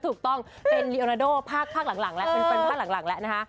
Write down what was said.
ถูกต้องเป็นลีโอนาโดรภาคหลังแล้ว